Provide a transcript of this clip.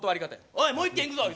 「おい、もう１軒行くぞ！」